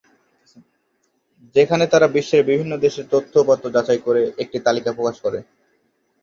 যেখানে তারা বিশ্বের বিভিন্ন দেশের তথ্য-উপাত্ত যাচাই করে একটি তালিকা প্রকাশ করে।